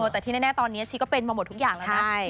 แต่ที่แน่ตอนนี้ชีก็เป็นมาหมดทุกอย่างแล้วนะ